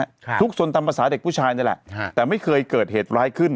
ทุกชนตามภาษาเด็กผู้ชายนี่แหละฮะแต่ไม่เคยเกิดเหตุร้ายขึ้น